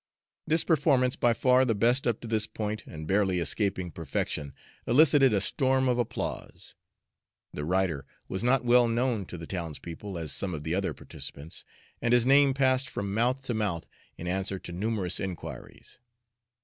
This performance, by far the best up to this point, and barely escaping perfection, elicited a storm of applause. The rider was not so well known to the townspeople as some of the other participants, and his name passed from mouth to mouth in answer to numerous inquiries.